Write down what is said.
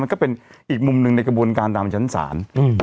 ก็เป็นอีกมุมหนึ่งในกระบวนการตามชั้นศาล